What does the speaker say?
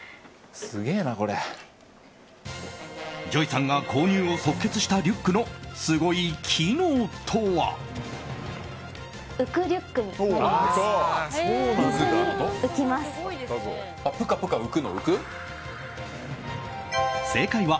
ＪＯＹさんが購入を即決したリュックのすごい機能とは。